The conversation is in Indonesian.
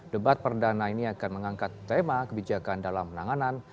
debat perdana ini akan mengangkat tema kebijakan dalam penanganan